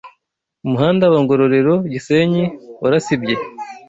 Umuhanda wa ngororero gisenyi warasibye